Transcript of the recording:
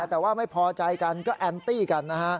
แต่ว่าไม่พอใจกันก็แอนตี้กันนะฮะ